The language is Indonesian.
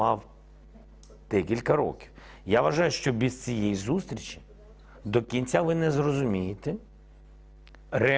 saya rasa bahwa tanpa ketemu dengan presiden rusia anda tidak akan mengerti